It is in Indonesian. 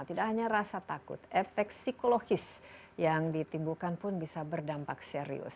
tidak hanya rasa takut efek psikologis yang ditimbulkan pun bisa berdampak serius